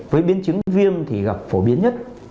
với biến chứng viêm thì gặp phổ biến nhất